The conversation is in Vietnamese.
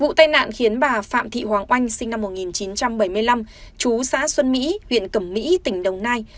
vụ tai nạn khiến bà phạm thị hoàng oanh sinh năm một nghìn chín trăm bảy mươi năm chú xã xuân mỹ huyện cẩm mỹ tỉnh đồng nai